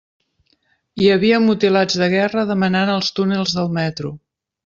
Hi havia mutilats de guerra demanant als túnels del metro.